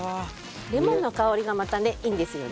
レモンの香りがまたねいいんですよね。